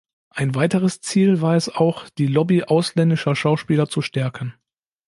Ein weiteres Ziel war es auch, die Lobby ausländischer Schauspieler zu stärken.